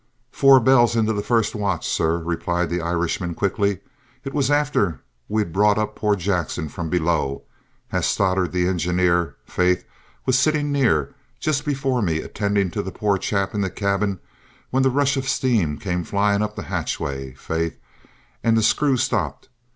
"Four bells in the first watch, sor," replied the Irishman quickly. "It was after we'd brought up poor Jackson from below, as Stoddart, the engineer, faith, was a sittin' near, jist before me, attindin' on the poor chap in the cabin, whin the rush of shtame came flyin' up the hatchway, faith, an' the sekrew stopped.